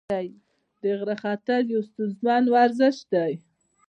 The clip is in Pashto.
د غره ختل یو ستونزمن ورزش دی.